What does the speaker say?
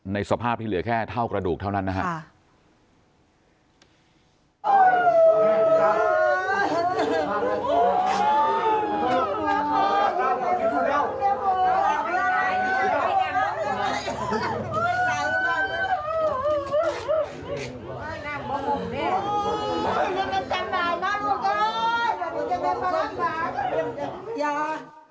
สภาพที่เหลือแค่เท่ากระดูกเท่านั้นนะครับ